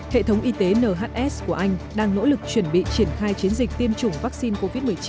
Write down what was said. hệ thống y tế nhs của anh đang nỗ lực chuẩn bị triển khai chiến dịch tiêm chủng vaccine covid một mươi chín